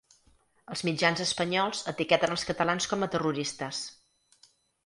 Els mitjans espanyols etiqueten els catalans com a terroristes.